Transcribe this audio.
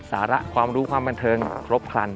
สาระความรู้ความบันเทิงครบครัน